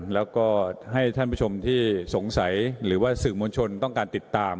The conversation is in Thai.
แล้วก็ให้ท่านผู้ชมที่สงสัยหรือว่าสื่อมวลชนต้องการติดตาม